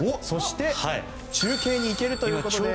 そして中継に行けるということで。